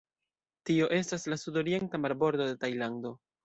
Tio estas la sudorienta marbordo de Tajlando.